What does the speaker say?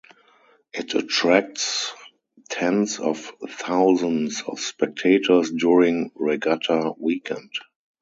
It attracts tens of thousands of spectators during regatta weekend.